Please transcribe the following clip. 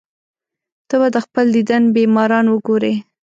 ته به د خپل دیدن بیماران وګورې.